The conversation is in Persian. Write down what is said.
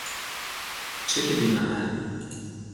چک بی محل